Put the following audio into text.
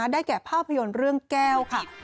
ได้แก่ภาพยนตร์เรื่องแก้วค่ะ